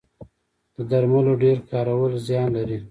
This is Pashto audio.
د درملو ډیر کارول زیان لري